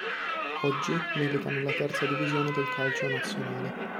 Oggi milita nella terza divisione del calcio nazionale.